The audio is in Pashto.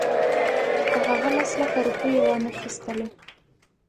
خو هغه لس لکه روپۍ یې وانخیستلې.